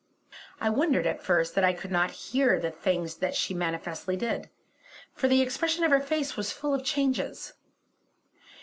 I wondered at first that I could not hear the things that she manifestly did, for the expression of her face was full of changes.